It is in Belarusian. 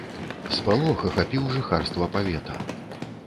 Спалох ахапіў жыхарства павета.